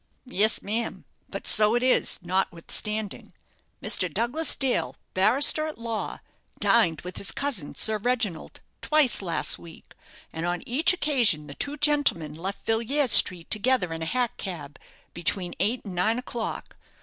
"Yes, ma'am; but so it is, notwithstanding. Mr. Douglas Dale, barrister at law, dined with his cousin, Sir Reginald, twice last week; and on each occasion the two gentlemen left Villiers Street together in a hack cab, between eight and nine o'clock.